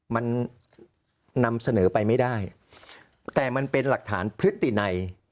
มันนำเสนอไปไม่ได้แต่มันเป็นหลักฐานพฤตินัย